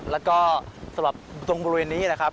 แล้วก็สำหรับตรงบริเวณนี้นะครับ